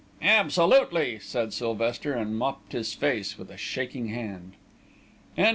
"Absolutely!" said Sylvester, and mopped his face with a shaking hand.